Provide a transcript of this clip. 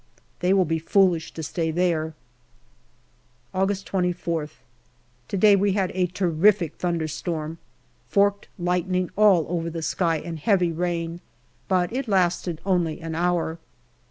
They will be foolish to stay there. August 24th. To day we had a terrific thunderstorm ; forked lightning all over the sky and heavy rain, but it lasted only an hour.